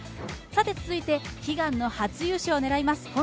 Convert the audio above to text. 続いて、悲願の初優勝を狙います